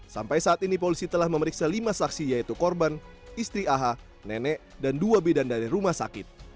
sampai saat ini polisi telah memeriksa lima saksi yaitu korban istri aha nenek dan dua bidan dari rumah sakit